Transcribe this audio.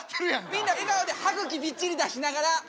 みんな笑顔で歯茎びっちり出しながら。